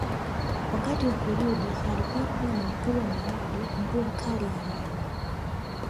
Wakati wa kurudi alipatwa na mvua ya radi mvua kali ya radi